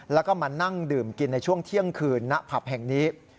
แล้วก็มานั่งดื่มกินในช่วงเที่ยงคืนณผับแห่งนี้